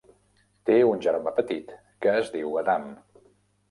Té un germà petit que es diu Adam.